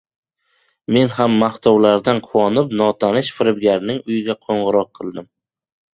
Men ham maqtovlardan quvonib, notanish firibgarning uyiga qo‘ng‘iroqqildim.